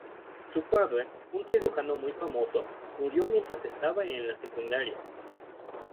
Su padre, un cirujano muy famoso, murió mientras estaba en la secundaria.